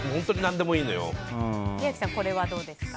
千秋さん、これはどうですか？